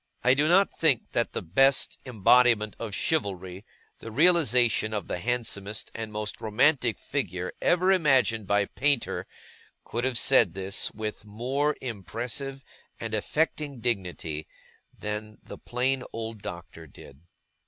I do not think that the best embodiment of chivalry, the realization of the handsomest and most romantic figure ever imagined by painter, could have said this, with a more impressive and affecting dignity than the plain old Doctor did.